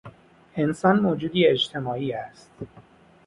انسان موجودی اجتماعی است.